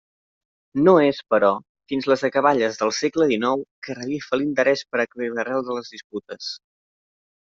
No és, però, fins a les acaballes del segle dinou que revifa l'interès per aclarir l'arrel de les disputes.